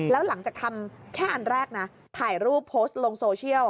แล้วหลังจากทำแค่อันแรกนะถ่ายรูปโพสต์ลงโซเชียล